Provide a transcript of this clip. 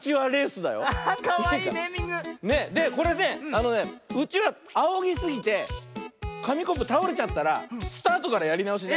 あのねうちわあおぎすぎてかみコップたおれちゃったらスタートからやりなおしね。